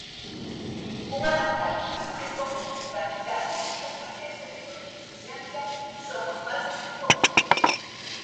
Unha das tácticas máis comúns practicadas nesta estratexia de contrainsurxencia son os "falsos encontros".